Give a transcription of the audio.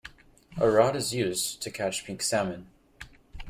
A rod is used to catch pink salmon.